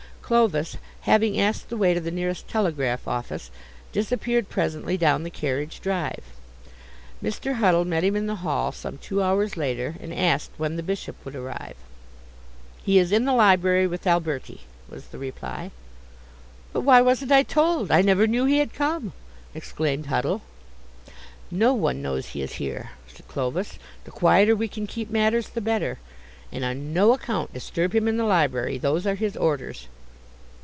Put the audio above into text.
Clovis, having asked the way to the nearest telegraph office, disappeared presently down the carriage drive. Mr. Huddle met him in the hall some two hours later, and asked when the Bishop would arrive. "He is in the library with Alberti," was the reply. "But why wasn't I told? I never knew he had come!" exclaimed Huddle. "No one knows he is here," said Clovis; "the quieter we can keep matters the better. And on no account disturb him in the library. Those are his orders."